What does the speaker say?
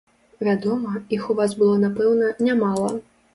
Вядома, іх у вас было напэўна, нямала.